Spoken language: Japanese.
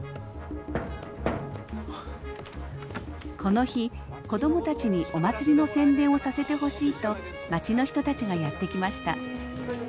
この日子供たちにお祭りの宣伝をさせてほしいと町の人たちがやって来ました。